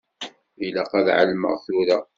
Ilaq ad εelmeɣ tura.